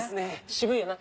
渋いよな。